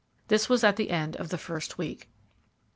This was at the end of the first week.